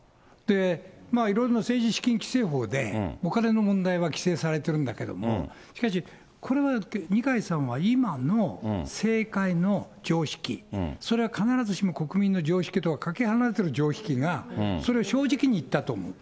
いろいろな政治資金規正法で、お金の問題は規制されてるんだけど、しかしこれは、二階さんは今の政界の常識、それは必ずしも国民の常識とはかけ離れてる常識が、それを正直に言ったと思う。